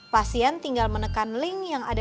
pasien tinggal menekan link yang ada di pesan wa tersebut